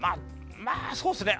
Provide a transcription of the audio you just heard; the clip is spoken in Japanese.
まあそうっすね。